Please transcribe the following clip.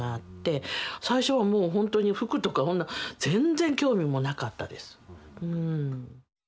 最初はもう本当に服とか全然興味もなかったです。